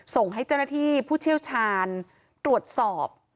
ส่งให้เจ้าหน้าที่ผู้เชี่ยวชาญตรวจสอบ